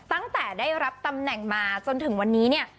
ตั้งแต่ได้รับตำแหน่งมาจนถึงวันนี้เนี่ย